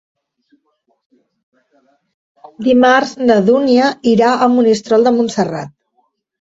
Dimarts na Dúnia irà a Monistrol de Montserrat.